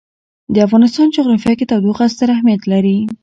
د افغانستان جغرافیه کې تودوخه ستر اهمیت لري.